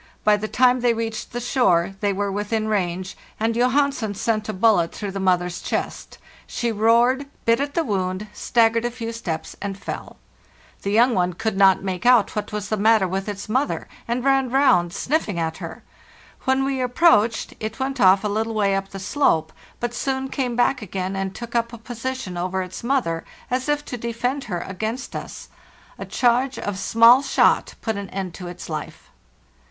By the time they reached the shore they were within range, and Johansen sent a bullet through the mother's chest. She roared, bit at the wound, staggered a few steps, and fell. The young one could not make out what was the matter with its mother, and ran round, sniffing at her. When we approached, it went off a little way up the slope, but soon came back again and took up a position over its mother, as if to defend her against us. A charge of small shot put an end to its life.